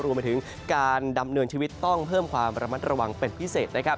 รวมไปถึงการดำเนินชีวิตต้องเพิ่มความระมัดระวังเป็นพิเศษนะครับ